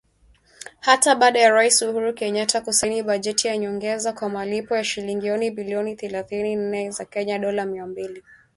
Hata baada ya Rais Uhuru Kenyatta kusaini bajeti ya nyongeza kwa malipo ya shilingi bilioni thelathini na nne za Kenya (dolla mia mbili tisini na nane milioni).